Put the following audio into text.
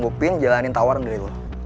lo yakin jalanin tawaran dari lo